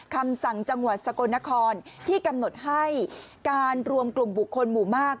คำสั่งจังหวัดสกลนครที่กำหนดให้การรวมกลุ่มบุคคลหมู่มาก